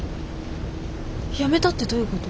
辞めたってどういうこと？